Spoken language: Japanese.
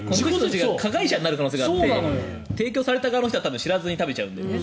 加害者になる可能性があって提供された側の人は知らずに食べちゃうんだよね。